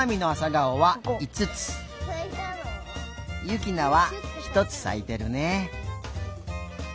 ゆきなはひとつさいてるね。